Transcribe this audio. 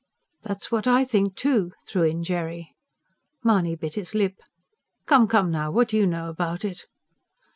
"That's what I think, too," threw in Jerry. Mahony bit his lip. "Come, come, now, what do you know about it?"